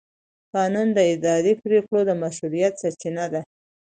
قانون د اداري پرېکړو د مشروعیت سرچینه ده.